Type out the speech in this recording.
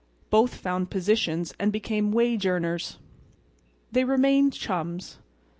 Both found positions and became wage earners. They remained chums.